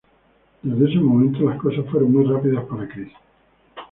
Desde ese momento las cosas fueron muy rápidas para Kris.